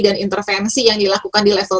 dan intervensi yang dilakukan di level